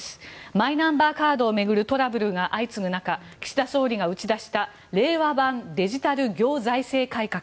マイナンバーカードを巡るトラブルが相次ぐ中、岸田総理が打ち出した令和版デジタル行財政改革。